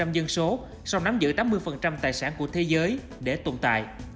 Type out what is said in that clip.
hai mươi dân số sau nắm giữ tám mươi tài sản của thế giới để tồn tại